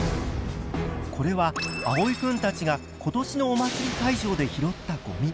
これはあおいくんたちが今年のお祭り会場で拾ったごみ。